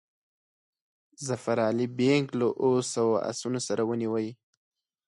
ظفر علي بیګ له اوو سوو آسونو سره ونیوی.